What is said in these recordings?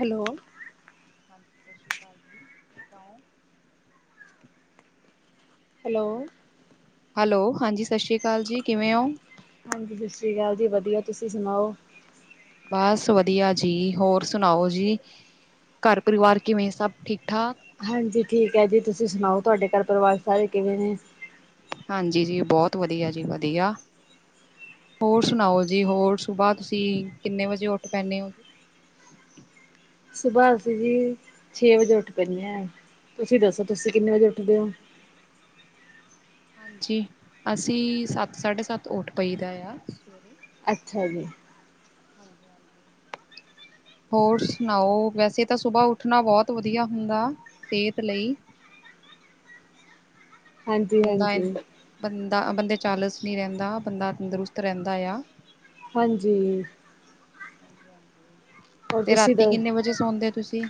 Hello ਹਾਂਜੀ ਸਤਿ ਸ੍ਰੀ ਅਕਾਲ ਜੀ ਕਿਦਾਂ ਓ? ਹੈਲੋ ਹੈਲੋ ਹਾਂਜੀ ਸਤਿ ਸ੍ਰੀ ਅਕਾਲ ਜੀ ਕਿਵੇਂ ਓ? ਹਾਂਜੀ ਸਤਿ ਸ਼੍ਰੀ ਅਕਾਲ ਜੀ ਵਧੀਆ ਤੁਸੀਂ ਸੁਣਾਓ? ਬਸ ਵਧੀਆ ਜੀ ਹੋਰ ਸੁਣਾਓ ਜੀ? ਘਰ ਪਰਿਵਾਰ ਕਿਵੇਂ ਸਭ ਠੀਕ ਠਾਕ? ਹਾਂਜੀ ਠੀਕ ਹੈ ਜੀ ਤੁਸੀਂ ਸੁਣਾਓ ਤੁਹਾਡੇ ਘਰ ਪਰਿਵਾਰ ਸਾਰੇ ਕਿਵੇਂ ਨੇ? ਹਾਂਜੀ ਜੀ ਬਹੁਤ ਵਧੀਆ ਜੀ ਵਧੀਆ ਹੋਰ ਸੁਣਾਓ ਜੀ ਹੋਰ ਸੁਬਾਹ ਤੁਸੀਂ ਕਿੰਨੇ ਵਜੇ ਉੱਠ ਪੈਂਦੇ ਔ? ਸੁਬਹ ਅਸੀ ਜੀ ਛੇ ਵਜੇ ਉੱਠ ਪੈਣੇਆਂ ਤੁਸੀਂ ਦੱਸੋ ਤੁਸੀਂ ਕਿੰਨੇ ਵਜੇ ਉੱਠਦੇ ਹੋ? ਜੀ ਅਸੀਂ ਸੱਤ ਸਾਢੇ ਸੱਤ ਉੱਠ ਪਈ ਦਾ ਆ ਅੱਛਾ ਜੀ। ਹਾਂਜੀ-ਹਾਂਜੀ। ਹੋਰ ਸੁਣਾਓ ਵੈਸੇ ਤਾਂ ਸੁਬਾਅ ਉੱਠਣਾ ਬਹੁਤ ਵਧੀਆ ਹੁੰਦਾ, ਸਿਹਤ ਲਈ ਹਾਂਜੀ ਬੰਦਾ ਅਨ ਹਾਂਜੀ ਬੰਦਾ ਬੰਦੇ 'ਚ ਆਲਸ ਨੀ ਰਹਿੰਦਾ ਬੰਦਾ ਤੰਦਰੁਸਤ ਰਹਿੰਦਾ ਆ। ਹਾਂਜੀ। ਹੋਰ ਤੇ ਤੁਸੀਂ ਦ ਰਾਤੀ ਕਿੰਨੇ ਵਜੇ ਸੌਂਦੇ ਤੁਸੀਂ?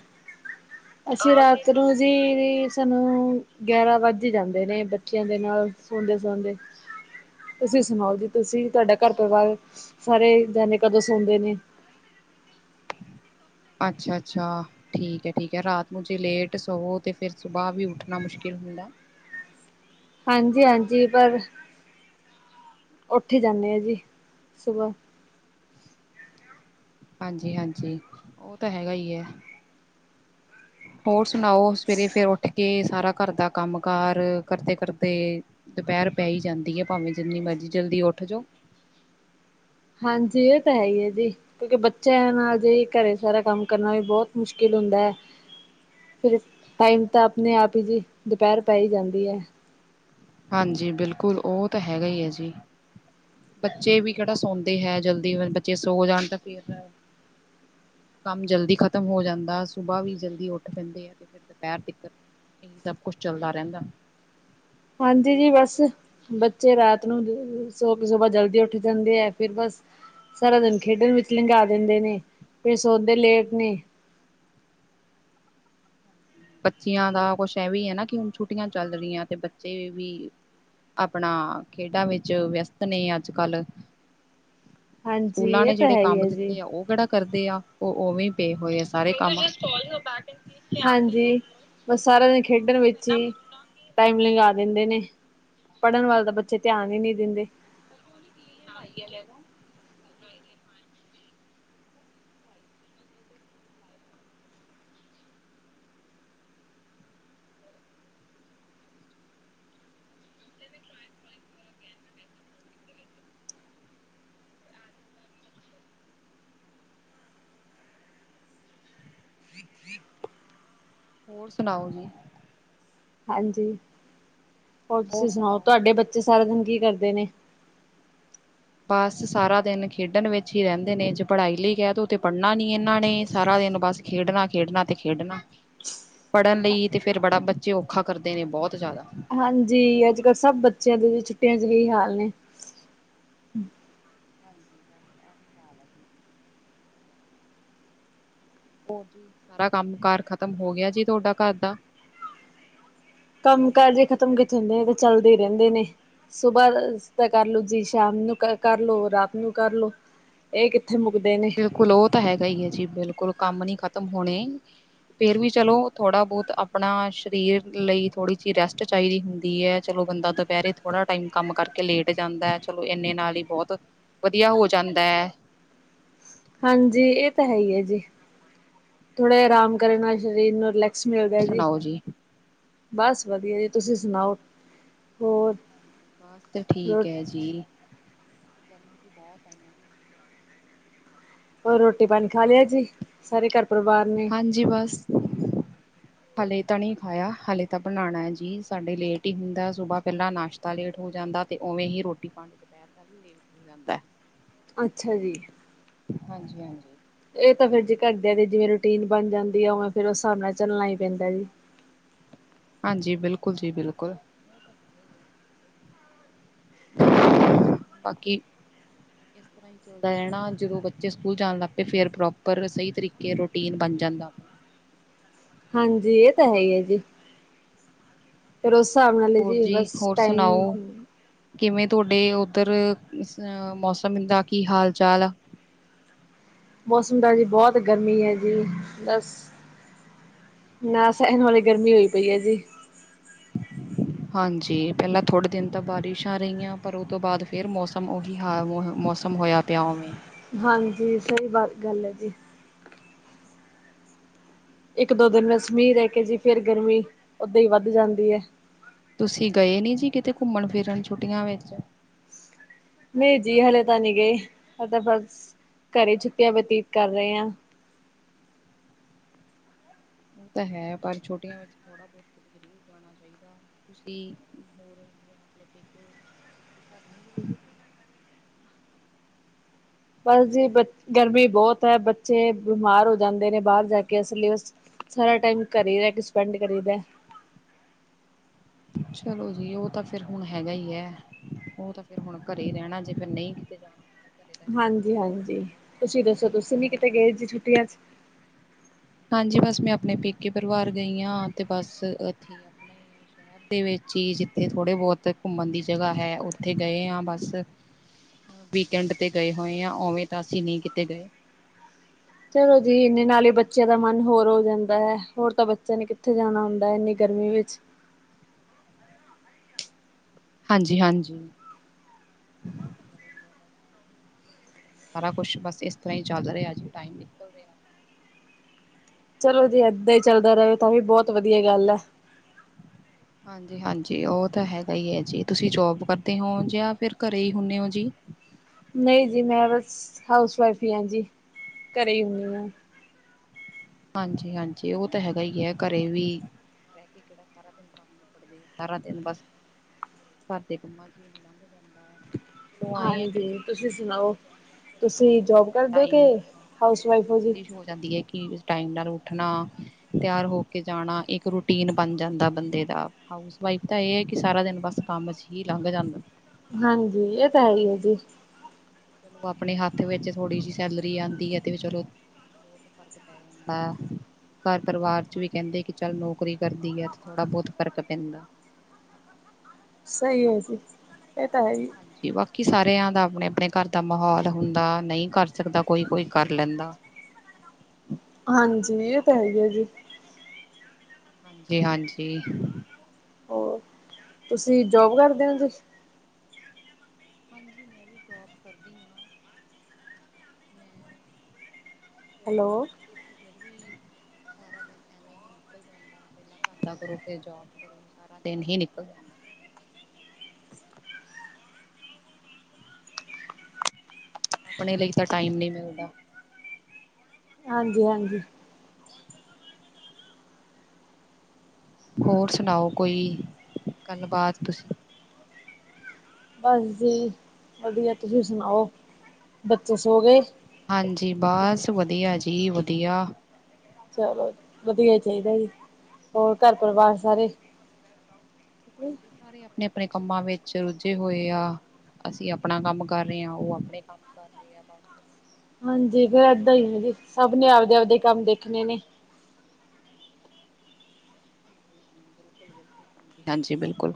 ਅਸੀਂ ਰਾਤ ਨੂੰ ਜੀ ਸਾਨੂੰ ਗਿਆਰਾਂ ਵੱਜ ਈ ਜਾਂਦੇ ਨੇ ਬੱਚਿਆਂ ਦੇ ਨਾਲ ਸੋਂਦੇ-ਸੌਦੇ। ਤੁਸੀਂ ਸੁਣਾਓ ਜੀ ਤੁਸੀਂ ਤੁਹਾਡਾ ਘਰ ਪਰਿਵਾਰ ਸਾਰੇ ਜਣੇ ਕਦੋਂ ਸੌਂਦੇ ਨੇ? ਅੱਛਾ-ਅੱਛਾ। ਠੀਕ ਐ, ਠੀਕ ਐ ਰਾਤ ਨੂੰ ਜੇ ਲੇਟ ਸੋਵੋ ਤੇ ਫਿਰ ਸੁਬਾਅ ਵੀ ਉੱਠਣਾ ਮੁਸ਼ਕਿਲ ਹੁੰਦਾ। ਹਾਂਜੀ-ਹਾਂਜੀ ਪਰ, ਉਠ ਜਾਂਨੇ ਆ ਜੀ ਸੁਬਾ। ਹਾਂਜੀ-ਹਾਂਜੀ, ਉਹ ਤਾਂ ਹੈਗਾ ਹੀ ਐ। [inaudible] ਹੋਰ ਸੁਣਾਓ ਸਵੇਰੇ ਫੇਰ ਉੱਠ ਕੇ ਸਾਰਾ ਘਰ ਦਾ ਕੰਮ ਕਾਰ ਕਰਦੇ ਫਿਰਦੇ ਦੁਪਹਿਰ ਪੈ ਈ ਜਾਂਦੀ ਏ ਭਾਵੇਂ ਜਿੰਨੀ ਮਰਜੀ ਜਲਦੀ ਉੱਠ ਜੋ। ਹਾਂਜੀ ਇਹ ਤਾਂ ਹੈ ਈ ਐ ਜੀ। ਕਿਉਂਕਿ ਬੱਚਿਆਂ ਨਾਲ ਜੇ ਘਰੇ ਸਾਰਾ ਕੰਮ ਕਰਨਾ ਵੀ ਬਹੁਤ ਮੁਸ਼ਕਿਲ ਹੁੰਦਾ ਐ। ਫਿਰ ਟਾਈਮ ਤਾਂ ਆਪਣੇ ਆਪ ਈ ਜੀ ਦੁਪਹਿਰ ਪੈ ਈ ਜਾਂਦੀ ਐ। ਹਾਂਜੀ ਬਿਲਕੁਲ ਉਹ ਤਾਂ ਹੈਗਾ ਈ ਐ ਜੀ। ਬੱਚੇ ਵੀ ਕਿਹੜਾ ਸੌਂਦੇ ਹੈ ਜਲਦੀ ਬੱਚੇ ਸੋ ਜਾਣ ਤਾਂ ਫਿਰ ਕੰਮ ਜਲਦੀ ਖ਼ਤਮ ਹੋ ਜਾਂਦਾ ਸੁਬਾਅ ਵੀ ਜਲਦੀ ਉੱਠ ਪੈਂਦੇ ਆ ਤੇ ਫਿਰ ਦੁਪਹਿਰ ਤਿਕਰ ਇਹੀ ਸਭ ਕੁੱਛ ਚੱਲਦਾ ਰਹਿੰਦਾ। ਹਾਂਜੀ ਜੀ ਬਸ ਬੱਚੇ ਰਾਤ ਨੂੰ ਸੋ ਕੇ ਸੁਬਾਅ ਜਲਦੀ ਉੱਠ ਜਾਂਦੇ ਐ ਫਿਰ ਬਸ ਸਾਰਾ ਦਿਨ ਖੇਡਣ ਵਿੱਚ ਲੰਘਾ ਦਿੰਦੇ ਨੇ ਫਿਰ ਸੌਦੇ ਲੇਟ ਨੇ। ਬੱਚਿਆਂ ਦਾ ਕੁਛ ਐਵੇਂ ਐ ਨਾ ਕਿ ਹੁਣ ਛੁੱਟੀਆਂ ਚੱਲ ਰੀਆਂ ਤੇ ਬੱਚੇ ਵੀ ਆਪਣਾ ਖੇਡਾਂ ਵਿੱਚ ਵਿਆਸਤ ਨੇ ਅੱਜ-ਕੱਲ੍ਹ। ਹਾਂਜੀ ਸਕੂਲਾਂ ਇਹ ਨੇ ਤਾਂ ਜਿਹੜੇ ਹੈ ਹੀ ਕੰਮ ਹੈ ਜੀ ਦਿੱਤੇ ਆ ਉਹ ਕਿਹੜਾ ਕਰਦੇ ਆ। ਉਹ ਉਵੇਂ ਪਏ ਹੋਏ ਆ ਸਾਰੇ ਕੰਮ। ਹਾਂਜੀ। ਬਸ ਸਾਰਾ ਦਿਨ ਖੇਡਣ ਵਿੱਚ ਹੀ ਟਾਈਮ ਲਗਾ ਦਿੰਦੇ। ਨੇ ਪੜ੍ਹਨ ਵੱਲ ਤਾਂ ਬੱਚੇ ਧਿਆਨ ਹੀ ਨਹੀਂ ਦਿੰਦੇ। ਈਆ ਲੈ ਲਓ [unintelligible] [inaudible] [unintelligible] ਹੋਰ ਸੁਣਾਓ ਜੀ? ਹਾਂਜੀ, ਹੋਰ ਤੁਸੀਂ ਸੁਣਾਓ ਤੁਹਾਡੇ ਬੱਚੇ ਸਾਰਾ ਦਿਨ ਕੀ ਕਰਦੇ ਨੇ? ਬਸ ਸਾਰਾ ਦਿਨ ਖੇਡਣ ਵਿੱਚ ਹੀ ਰਹਿੰਦੇ ਨੇ ਜੇ ਪੜ੍ਹਾਈ ਲਈ ਕਹਿ ਦੋ ਤੇ ਪੜ੍ਹਨਾ ਨਹੀਂ ਇਹਨਾਂ ਨੇ ਸਾਰਾ ਦਿਨ ਬਸ। ਖੇਡਣਾ, ਖੇਡਣਾ ਤੇ ਖੇਡਣਾ। ਪੜ੍ਹਨ ਲਈ ਤੇ ਫੇਰ ਬੜਾ ਬੱਚੇ ਔਖਾ ਕਰਦੇ ਨੇ ਬਹੁਤ ਜ਼ਿਆਦਾ। ਹਾਂਜੀ, ਅੱਜ ਕੱਲ੍ਹ ਸਭ ਬੱਚਿਆਂ ਦੇ ਵੀ ਛੁੱਟੀਆਂ ਚ' ਹੀ ਹਾਲ ਨੇ। ਹਾਂਜੀ, ਬਸ ਆਹੀ ਹਾਲ ਐ ਜੀ। ਹੋਰ ਜੀ, ਸਾਰਾ ਕੰਮ ਕਾਰ ਖਤਮ ਹੋ ਗਿਆ ਜੀ ਤੁਹਾਡਾ ਘਰ ਦਾ? ਕੰਮ ਕਾਰ ਜੇ ਖਤਮ ਕਿੱਥੇ ਹੁੰਦੇ ਨੇ ਤੇ ਚੱਲਦੇ ਹੀ ਰਹਿੰਦੇ ਨੇ। ਸੁਬਾਅ ਤਾਂ ਕਰ ਲੋ ਜੀ ਸ਼ਾਮ ਨੂੰ ਕਰ ਲੋ ਰਾਤ ਨੂੰ ਕਰਲੋ। ਇਹ ਕਿੱਥੇ ਮੁੱਕਦੇ ਨੇ। ਓ ਤਾਂ ਹੈਗਾ ਈ ਹੈ ਜੀ ਬਿਲਕੁਲ ਕੰਮ ਨੀ ਖ਼ਤਮ ਹੋਣੇ। ਫਿਰ ਵੀ ਚਲੋ ਥੋੜ੍ਹਾ ਬਹੁਤ ਆਪਣਾ ਸਰੀਰ ਲਈ ਥੋੜ੍ਹੀ ਜੀ ਰੈਸਟ ਚਾਈਦੀ ਹੁੰਦੀ ਐ। ਚਲੋ ਬੰਦਾ ਦੁਪਹਿਰੇ ਥੋੜਾ ਟਾਈਮ ਕੰਮ ਕਰਕੇ ਲੇਟ ਜਾਂਦਾ ਐ ਚਲੋ ਇੰਨੇ ਨਾਲ ਈ ਬੋਤ ਵਧੀਆ ਹੋ ਜਾਂਦਾ ਹੈ। ਹਾਂਜੀ। ਇਹ ਤਾਂ ਹੈਈ ਆ ਜੀ ਥੋੜੇ ਆਰਾਮ ਕਰਨ ਨਾਲ ਸਰੀਰ ਨੂੰ ਰਿਲੈਕਸ ਹੋਰ ਮਿਲਦਾ ਜੀ। ਸੁਣਾਓ ਬਸ ਵਧੀਆ ਜੀ, ਤੁਸੀਂ ਸੁਣਾਓ ਹੋਰ? ਹਾਂਜੀ ਬਸ ਰੋ ਠੀਕ ਹੈ ਜੀ। ਗਰਮੀ ਵੀ ਬਹੁਤ ਆ ਰੋਟੀ ਪਾਣੀ ਖਾ ਲਿਆ ਜੀ ਸਾਰੇ ਘਰ ਪਰਿਵਾਰ ਨੇ। ਹਾਂਜੀ। ਬਸ ਹ ਹਲੇ ਤਾਂ ਨਹੀਂ ਖਾਇਆ ਹਲੇ ਤਾਂ ਬਣਾਉਣਾ ਹੈ ਜੀ। ਸਾਡੇ ਲੇਟ ਹੀ ਹੁੰਦਾ ਸੁਬਾਹ ਪਹਿਲਾਂ ਨਾਸ਼ਤਾ। ਲੇਟ ਹੋ ਜਾਂਦਾ ਤੇ ਉਵੇਂ ਹੀ ਰੋਟੀ- ਪਾਣੀ ਦੁਪਹਿਰ ਦਾ ਵੀ ਲੇਟ ਹੋ ਜਾਂਦਾ। ਅੱਛਾ ਜੀ। ਹਾਂਜੀ- ਹਾਂਜੀ। ਇਹ ਤਾਂ ਫੇਰ ਜੀ ਘਰਦਿਆਂ ਦੀ ਜਿਵੇਂ ਰੂਟੀਨ ਬਣ ਜਾਂਦੀ ਆ ਉਵੇ ਫੇਰ ਉਸ ਹਿਸਾਬ ਨਾਲ ਚੱਲਣਾ ਹੀ ਪੈਂਦਾ ਜੀ। ਹਾਂਜੀ, ਬਿਲਕੁਲ ਜੀ, ਬਿਲਕੁਲ। ਉਹ ਤਾਂ ਹੈਗਾ ਹੀ ਹੈ। ਬਾਕੀ ਰਹਿਣਾ। ਜਦੋਂ ਬੱਚੇ ਸਕੂਲ ਜਾਣ ਲੱਗ ਪਏ ਫਿਰ ਪ੍ਰੋਪਰ ਸਹੀ ਤਰੀਕੇ ਰੂਟੀਨ ਬਣ ਜਾਂਦਾ। ਹਾਂਜੀ। ਇਹ ਤਾਂ ਹੈ ਹੀ ਹੈ ਜੀ। ਫਿਰ ਉਸ ਹਿਸਾਬ ਨਾਲ ਹੀ ਹੋਰ ਜੀ ਬਸ ਹੋਰ ਟਾਈਮ। ਸੁਣਾਓ? ਕਿਵੇਂ ਤੁਹਾਡੇ ਉੱਧਰ ਅ, ਮੌਸਮ ਦਾ ਕੀ ਹਾਲ- ਚਾਲ ਆ।।? ਮੌਸਮ ਦਾ ਜੀ ਬਹੁਤ ਗਰਮੀ ਹੈ ਜੀ ਬਸ। ਨਾ ਸਹਿਣ ਵਾਲੀ ਗਰਮੀ ਹੋਈ ਪਈ ਹੈ ਜੀ। ਹ [inaudible] ਹਾਂਜੀ। ਪਹਿਲਾਂ ਥੋੜੇ ਦਿਨ ਤਾਂ ਬਾਰਿਸ਼ਾਂ ਰਹੀਆਂ ਪਰ ਉਹ ਤੋਂ ਬਾਅਦ ਫੇਰ ਮੌਸਮ ਉਹੀ ਹ ਮੌਸਮ। ਖਤਮ ਹੋਇਆ ਪਿਆ ਉਵੇਂ। ਹਾਂਜੀ, ਸਹੀ ਬਾਤ ਗੱਲ ਹੈ ਜੀ। ਇੱਕ ਦੋ- ਦਿਨ ਬਸ ਮੀਹ ਰਹਿ ਕੇ ਜੀ ਫੇਰ ਗਰਮੀ ਓਦਾਂ ਹੀ ਵੱਧ ਜਾਂਦੀ ਹੈ। ਤੁਸੀਂ ਗਏ ਨੀ ਜੀ ਕਿਤੇ ਘੁੰਮਣ ਫਿਰਨ ਛੁੱਟੀਆਂ ਵਿੱਚ? ਨਹੀਂ ਜੀ ਹਲੇ ਤਾਂ ਨਹੀਂ ਗਏ ਹਲੇ ਤਾਂ ਬਸ ਘਰੇ ਛੁੱਟੀਆਂ ਬਤੀਤ ਕਰ ਰਹੇ ਹਾਂ। ਉਹ ਤਾਂ ਹੈ ਪਰ ਛੋਟੀਆਂ ਵਿੱਚ ਥੋੜਾ ਬਹੁਤ ਕਿ ਜ਼ਰੂਰ। ਜਾਣਾ ਚਾਹੀਦਾ ਤੁਸੀਂ ਹੋਰ ਜ ਆਪਣੇ ਪੇਕੇ ਘਰ ਨਹੀਂ ਬਸ ਜੀ ਗਰਮੀ ਬਹੁਤ ਹੈ ਬੱਚੇ ਬਿਮਾਰ ਹੋ ਜਾਂਦੇ ਨੇ ਬਾਹਰ ਜਾ ਕੇ ਅਸਲ ਵਿੱਚ। ਸਾਰਾ ਟਾਈਮ ਘਰੇ ਹੀ ਰਹਿ ਕੇ ਸਪੈਂਡ ਕਰੀਦਾ। ਚਲੋ ਜੀ, ਉਹ ਤਾਂ ਫਿਰ ਹੁਣ ਹੈਗਾ ਹੀ ਹੈ। ਉਹ ਤਾਂ ਫੇਰ ਹੁਣ ਘਰੇ ਹੀ ਰਹਿਣਾ ਜੇ ਫਿਰ ਨਹੀਂ ਕਿਤੇ ਜਾਣਾ। ਘਰੇ ਤਾਂ ਰਹਿਣਾ ਹੀ ਹਾਂਜੀ, ਹੈ। ਹਾਂਜੀ ਤੁਸੀਂ ਦੱਸੋ ਤੁਸੀਂ ਵੀ ਕਿਤੇ ਗਏ ਸੀ ਛੁੱਟੀਆਂ ਵਿੱਚ। ਹਾਂਜੀ ਬਸ ਮੈਂ ਆਪਣੇ ਪੇਕੇ ਪਰਿਵਾਰ ਗਈ ਹਾਂ ਤੇ ਬਸ ਇੱਥੇ ਆਪਣਾ ਹੀ ਸ਼ਹਿਰ। ਦੇ ਵਿੱਚ ਹੀ ਜਿੱਥੇ ਥੋੜੇ ਬਹੁਤ ਘੁੰਮਣ ਦੀ ਜਗ੍ਹਾ ਹੈ ਉੱਥੇ ਗਏ ਹਾਂ ਬਸ। ਵੀਕਐਂਡ ਤੇ ਗਏ ਹੋਏ ਆ ਉਵੇਂ ਤਾਂ ਅਸੀਂ ਨਹੀਂ ਕਿਤੇ ਗਏ। ਚਲੋ ਜੀ ਇਨੇ ਨਾਲ ਹੀ ਬੱਚਿਆਂ ਦਾ ਮਨ ਹੋਰ ਹੋ ਜਾਂਦਾ ਹੈ ਹੋਰ ਤਾਂ ਬੱਚਿਆਂ ਨੇ ਕਿੱਥੇ ਜਾਣਾ ਹੁੰਦਾ ਹੈ ਇੰਨੀ ਗਰਮੀ ਵਿੱਚ। ਹਾਂਜੀ ਹਾਂਜੀ ਸ ਸਾਰਾ ਕੁਛ ਬਸ ਇਸ ਤਰ੍ਹਾਂ ਹੀ ਚੱਲ ਰਿਹਾ ਜੀ ਟਾਈਮ। ਰਿਹਾ। ਚਲੋ ਜੀ ਏਦਾਂ ਹੀ ਚੱਲਦਾ ਰਹੇੋ ਤਾਂ ਵੀ ਬਹੁਤ ਵਧੀਆ ਗੱਲ ਹੈ। ਹਾਂਜੀ, ਹਾਂਜੀ ਉਹ ਤਾਂ ਹੈਗਾ ਹੀ ਹੈ ਜੀ ਤੁਸੀਂ ਜੋਬ ਕਰਦੇ ਹੋ ਜਾਂ ਫਿਰ ਘਰੇ ਹੀ ਹੁੰਦੇ ਹੋ ਜੀ। ਨਹੀਂ ਜੀ ਮੈਂ ਬਸ ਹਾਊਸ ਵਾਈਫ ਹੀ ਹਾਂ ਜੀ, ਘਰੇ ਹੀ ਹੁੰਦੀ ਹਾਂ। ਹਾਂਜੀ -ਹਾਂਜੀ ਉਹ ਤਾਂ ਹੈਗਾ ਹੀ ਹੈ। ਘਰੇ ਵੀ ਰਹਿ ਕੇ ਕਿਹੜਾ ਸਰਦਾ। ਸਾਰਾ ਦਿਨ ਬਸ ਕੰਮ ਕਰਦੇ ਆ। ਸਾਰਾ ਦਿਨ ਬਸ ਘਰ ਦੇ ਕੰਮਾਂ ਚ' ਵੀ ਨਿਕਲ ਜਾਂਦਾ ਹੈ। ਚਲੋ ਆਏ ਆ ਕਿ ਹਾਂਜੀ ਜਦੋਂ ਕੋਈ ਤੁਸੀਂ ਸੁਣਾਓ, ਨੌਕਰੀ ਕਰਦਾ ਚਲੋ ਚਲੋ ਤੁਸੀਂ ਥੋੜਾ ਜੋਬ ਜਿਹਾ ਕਰਦੇ ਹੋ ਕੇ, ਹਾਊਸਵਾਾਈਫ ਹੋ ਜੀ? ਦੀ ਕਿ ਟਾਈਮ ਨਾਲ ਉੱਠਣਾ। ਤਿਆਰ ਹੋ ਕੇ ਜਾਣਾ ਇੱਕ ਰੂਟੀਨ ਬਣ ਜਾਂਦਾ ਬੰਦੇ ਦਾ ਹਾਊਸ ਵਾਈਫ ਤਾਂ ਇਹ ਹੈ ਕਿ ਸਾਰਾ ਦਿਨ ਬਸ ਕੰਮ ਚ ਹੀ। ਹੀ ਲੰਘ ਜਾਂਦਾ। ਹਾਂਜੀ ਇਹ ਤੇ ਹੈ ਹੀ ਹੈ ਜੀ। ਉ ਆਪਣੇ ਹੱਥ ਵਿੱਚ ਥੋੜੀ ਜਿਹੀ ਸੈਲਰੀ ਆਉਂਦੀ ਹੈ ਤੇ ਚਲੋ ਫਰਕ ਪੈ ਜਾਂਦਾ। ਘਰ ਪਰਿਵਾਰ ਚ ਵੀ ਕਹਿੰਦੇ ਕਿ ਚੱਲ ਨੌਕਰੀ ਕਰਦੀ ਹੈ ਤੇ ਥੋੜ੍ਹਾ ਬਹੁਤ ਫ਼ਰਕ ਪੈਂਦਾ। ਸਹੀ ਹੈ ਜੀ ਇਹ ਤਾ ਹੈ ਹੀ। ਹਾਂਜੀ ਬਾਕੀ ਸਾਰਿਆ ਦਾ ਆਪਣੇ-ਆਪਣੇ ਘਰ ਦਾ ਮਾਹੌਲ ਹੁੰਦਾ ਨਈ ਕਰ ਸਕਦਾ ਕੋਈ-ਕੋਈ ਕਰ ਲੈਂਦਾ। ਹਾਂਜੀ ਇਹ ਤਾਂ ਹੈ ਹੀ ਹੈ ਜੀ। ਹਾਂਜੀ-ਹਾਂਜੀ ਤੁਸੀ ਜੋਬ ਕਰਦੇ ਹੋ [unintelligible] ਹਾਂਜੀ ਮੈਂ ਵੀ ਜੋਬ ਕਰਦੀ ਹਾ, ਮੈਂ ਜੋਬ ਹੈਲੋ ਕਰਕੇ ਫਿਰ ਵੀ ਸਾਰਾ ਦਿਨ ਐਵੇਂ ਹੀ ਨਿਕਲ ਜਾਂਦਾ ਪਹਿਲਾਂ ਘਰ ਦਾ ਕਰੋ ਫਿਰ ਜੋਬ ਕਰੋ ਸਾਰਾ ਦਿਨ ਹੀ ਨਿਕਲ ਜਾਂਦਾ। ਆਪਣੇ ਲਈ ਤਾਂ ਟਾਈਮ ਨੀ ਮਿਲਦਾ। ਹਾਂਜੀ-ਹਾਂਜੀ ਹੋਰ ਸੁਣਾਓ ਕੋਈ ਗੱਲ ਬਾਤ ਤੁਸੀ। ਬਸ ਜੀ ਵਧੀਆ ਤੁਸੀ ਸੁਣਾਓ ਬੱਚੇ ਸੋ ਗਏ। ਹਾਂਜੀ ਬਸ ਵਧੀਆ ਜੀ ਵਧੀਆ। ਚਲੋ ਵਧੀਆ ਚਾਹੀਦਾ ਜੀ ਹੋਰ ਘਰ ਪਰਿਵਾਰ ਸਾਰੇ ਸਾਰੇ ਆਪਣੇ-ਆਪਣੇ ਕੰਮਾ ਵਿੱਚ ਰੁੱਝੇ ਹੋਏ ਆ। ਅਸੀ ਆਪਣਾ ਕੰਮ ਕਰ ਰਹੇ ਹਾ ਉਹ ਆਪਣੇ ਕੰਮ ਕਰ ਰਹੇ ਆ ਬਸ। ਹਾਂਜੀ ਫੇਰ ਏਦਾ ਹੀ ਹੈ ਜੀ ਸਭ ਨੇ ਆਪਦੇ-ਆਪਦੇ ਕੰਮ ਦੇਖਣੇ ਨੇ। ਹਾਂਜੀ ਬਿਲਕੁਲ।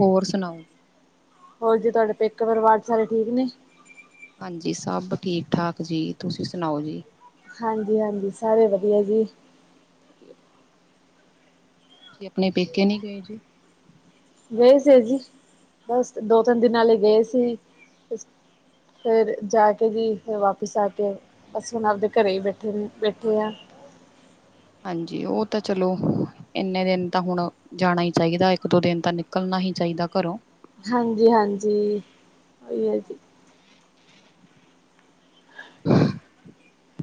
ਹੋਰ ਸੁਣਾਓ। ਹੋਰ ਜੀ ਤੁਹਾਡੇ ਪੇਕੇ ਪਰਿਵਾਰ ਸਾਰੇ ਠੀਕ ਨੇ। ਹਾਂਜੀ ਸਭ ਠੀਕ ਠਾਕ ਜੀ ਤੁਸੀ ਸੁਣਾਓ ਜੀ। ਹਾਂਜੀ-ਹਾਂਜੀ ਸਾਰੇ ਵਧੀਆ ਜੀ। ਤੁਸੀ ਆਪਣੇ ਪੇਕੇ ਨੀ ਗਏ ਜੀ। ਗਏ ਸੀ ਜੀ ਬਸ ਦੋ ਤਿੰਨ ਦਿਨਾਂ ਲਯੀ ਗਏ ਸੀ। ਫਿਰ ਜਾ ਕੇ ਜੀ ਫਿਰ ਵਾਪਿਸ ਆ ਕੇ ਬਸ ਹੁਣ ਆਪਦੇ ਘਰੇ ਹੀ ਬੈਠੇ ਨੇ ਬੈਠੇ ਆ। ਹਾਂਜੀ ਉਹ ਤਾ ਚਲੋ ਇੰਨੇ ਦਿਨ ਤਾਂ ਹੁਣ ਜਾਣਾ ਹੀ ਚਾਹੀਦਾ ਇੱਕ ਦੋ ਦਿਨ ਤਾ ਨਿਕਲਣਾ ਹੀ ਚਾਹੀਦਾ ਘਰੋ। ਹਾਂਜੀ-ਹਾਂਜੀ ਉਹੀ ਹੈ ਜੀ।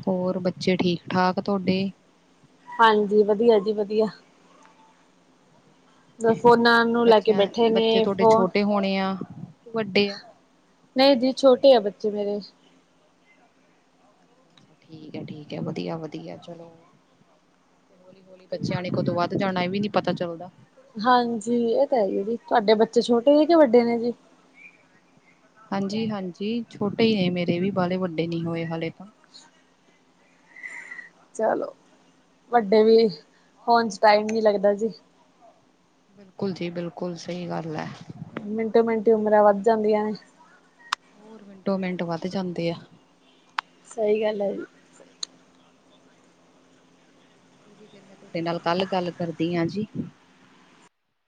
ਹੋਰ ਬੱਚੇ ਠੀਕ ਠਾਕ ਤੁਡੇ। ਹਾਂਜੀ ਵਧੀਆ ਜੀ ਵਧੀਆ। ਫੋਨਾਂ ਨੂੰ ਲੈ ਕੇ ਬੱਚਿਆਂ ਬੈਠੇ ਬੱਚੇ ਨੇ ਤੁਹਾਡੇ ਫੋਨ ਛੋਟੇ ਹੋਣੇ ਆ। ਵੱਡੇ ਆ। ਨਹੀਂ ਜੀ ਛੋਟੇ ਆ ਬੱਚੇ ਮੇਰੇ। ਠੀਕ ਹੈ-ਠੀਕ ਹੈ ਵਧੀਆ-ਵਧੀਆ ਚਲੋ। ਤੇ ਹੌਲੀ-ਹੌਲੀ ਬੱਚਿਆਂ ਨੇ ਕਦੋਂ ਵੱਧ ਜਾਣਾ ਇਹ ਵੀ ਨੀ ਪਤਾ ਚੱਲਦਾ। ਹਾਂਜੀ ਇਹ ਤਾ ਹੈ ਹੀ ਜੀ, ਤੁਹਾਡੇ ਬੱਚੇ ਛੋਟੇ ਨੇ ਕਿ ਵੱਡੇ ਨੇ ਜੀ? ਹਾਂਜੀ ਹਾਂਜੀ ਛੋਟੇ ਹੀ ਨੇ ਮੇਰੇ ਵੀ ਬਾਹਲੇ ਵੱਡੇ ਨੀ ਹੋਏ ਹਲੇ ਤਾ। ਚਲੋ ਵੱਡੇ ਵੀ ਹੋਣ ਚ ਟਾਈਮ ਨੀ ਲੱਗਦਾ ਜੀ। ਬਿਲਕੁਲ ਜੀ ਬਿਲਕੁਲ ਸਹੀ ਗੱਲ ਹੈ। ਮਿੰਟੋ ਮਿੰਟ ਉਮਰਾ ਵੱਧ ਜਾਂਦੀਆ। ਹੋਰ ਮਿੰਟੋ ਮਿੰਟ ਵੱਧ ਜਾਂਦੇ ਆ। ਸਹੀ ਗੱਲ ਐ ਜੀ। ਚਲੋ ਫਿਰ ਮੈਂ ਤੁਹਾਡੇ ਨਾਲ ਕੱਲ ਗੱਲ ਕਰਦੀ ਆ ਜੀ।